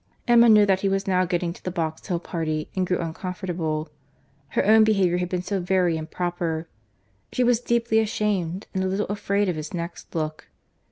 Emma knew that he was now getting to the Box Hill party, and grew uncomfortable. Her own behaviour had been so very improper! She was deeply ashamed, and a little afraid of his next look.